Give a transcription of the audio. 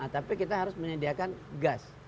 tapi kita harus menyediakan gas